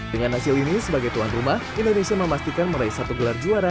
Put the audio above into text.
dengan hasil ini sebagai tuan rumah indonesia memastikan meraih satu gelar juara